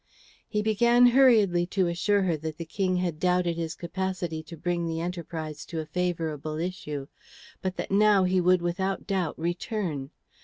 He began hurriedly to assure her that the King had doubted his capacity to bring the enterprise to a favourable issue, but that now he would without doubt return.